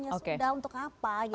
ya sudah untuk apa gitu